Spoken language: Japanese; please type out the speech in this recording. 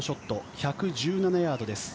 １１７ヤードです。